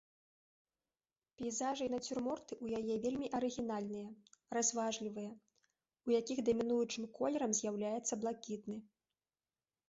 Пейзажы і нацюрморты ў яе вельмі арыгінальныя, разважлівыя, у якіх дамінуючым колерам з'яўляецца блакітны.